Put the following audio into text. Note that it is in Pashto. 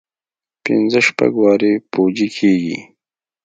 پنځه شپږ وارې پوجي کېږي.